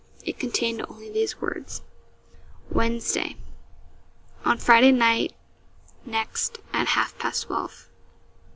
It contained only these words: 'Wednesday. 'On Friday night, next, at half past twelve.'